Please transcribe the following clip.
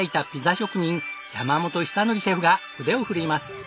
山本尚徳シェフが腕を振るいます。